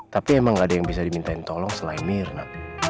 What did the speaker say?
tapi emang gak ada yang bisa dimintain tolong selain mirna